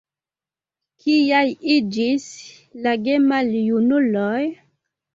Kiaj iĝis la gemaljunuloj?